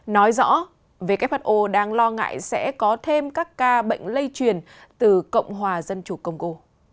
nói rõ who đang lo ngại sẽ có thêm các ca bệnh lây truyền từ cộng hòa dân chủ công cô